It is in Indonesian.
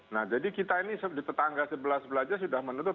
nah jadi kita ini di tetangga sebelah belajar sudah menutup